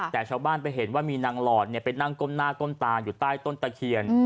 แต่ชาวบ้านไปเห็นว่ามีนางหลอดไปนั่งก้มหน้าก้มตาอยู่ใต้ต้นตะเคียน